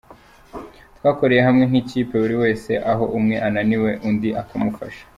Twakoreye hamwe nk’ikipe, buri wese aho umwe ananiwe undi akamufasha.